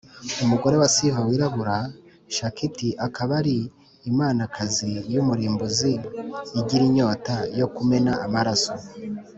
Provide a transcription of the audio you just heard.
umugore wa siva wirabura (shakiti) akaba ari imanakazi y’umurimbuzi igira inyota yo kumena amaraso.